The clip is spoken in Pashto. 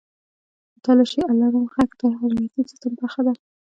• د تالاشۍ الارم ږغ د امنیتي سیستم برخه ده.